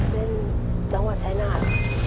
เป็นจังหวัดชายนาฏ